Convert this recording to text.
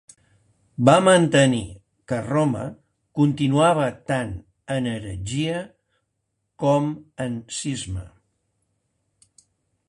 Va mantenir que Roma continuava tant en heretgia com en cisma.